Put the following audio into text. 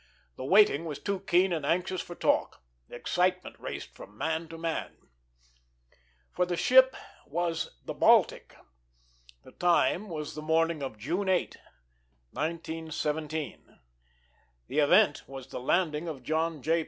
The waiting was too keen and anxious for talk. Excitement raced from man to man. For the ship was the Baltic. The time was the morning of June 8, 1917. The event was the landing of John J.